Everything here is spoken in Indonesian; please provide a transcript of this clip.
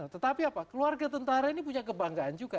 tetapi apa keluarga tentara ini punya kebanggaan juga